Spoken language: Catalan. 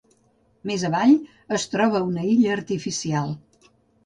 Més avall, es troba una illa artificial.